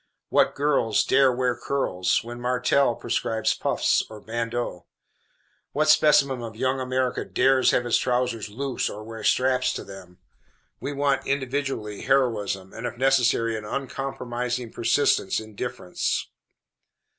What girl dares wear curls, when Martelle prescribes puffs or bandeaux? What specimen of Young America dares have his trousers loose or wear straps to them? We want individuality, heroism, and, if necessary, an uncompromising persistence in difference.